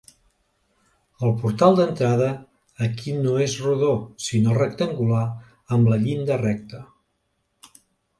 El portal d'entrada aquí no és rodó, sinó rectangular amb la llinda recta.